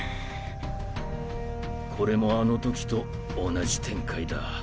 これもあの時と同じ展開だ。